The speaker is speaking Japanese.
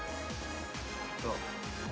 どう？